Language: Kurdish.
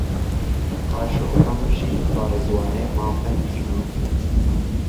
Qaşo ew jî parêzvana mafên jinan bû